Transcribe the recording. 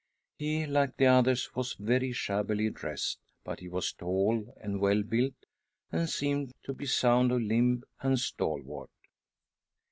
He, like the others, was very shabbily dressed, but he was tall and well built, and seemed to be sound of limb and stalwart.